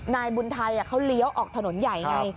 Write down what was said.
นายบุญไทยเขาเลี้ยวออกถนนใหญ่ไง